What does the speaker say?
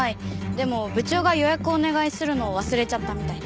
でも部長が予約をお願いするのを忘れちゃったみたいで。